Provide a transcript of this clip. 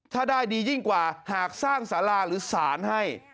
ถ้าได้ดียิ่งกว่าหากสร้างสาราหรือสารให้